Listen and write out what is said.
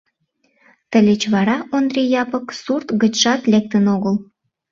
Тылеч вара Ондри Япык сурт гычшат лектын огыл.